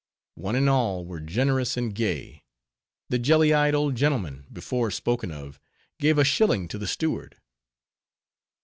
One and all were generous and gay, the jelly eyed old gentleman, before spoken of, gave a shilling to the steward.